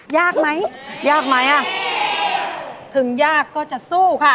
ยากไหมยากไหมอ่ะถึงยากก็จะสู้ค่ะ